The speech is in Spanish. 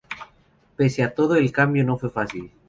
Pese a todo el cambio no fue fácil.